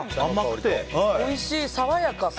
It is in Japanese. おいしい、爽やか。